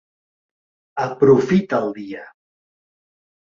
Aprofita el dia.